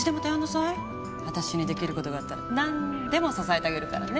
私にできることがあったら何でも支えてあげるからね。